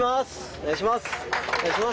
お願いします！